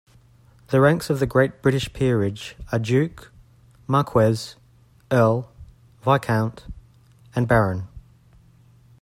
The ranks of the Great British peerage are Duke, Marquess, Earl, Viscount and Baron.